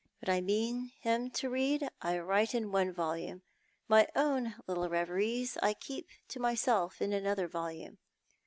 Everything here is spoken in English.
What I mean him to read I write in one volume; my own little reveries I keep to myself in another volume.